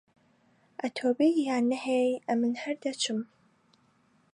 ئەتوو بێی یان نەهێی، ئەمن هەر دەچم.